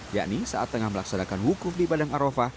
yakni saat tengah melaksanakan hukum di padang arofa